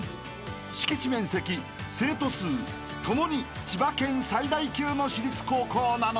［敷地面積生徒数ともに千葉県最大級の私立高校なのだ］